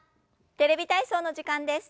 「テレビ体操」の時間です。